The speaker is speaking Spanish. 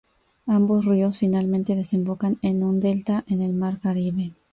Ambos ríos, finalmente, desembocan en un delta en el Mar Caribe.